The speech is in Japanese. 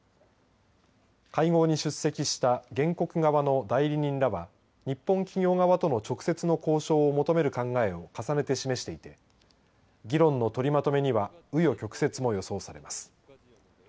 会合に出席した原告側の代理人らは日本企業側との直接の交渉を求める考えを重ねて示していて議論の取りまとめにはう余曲折も予想されます。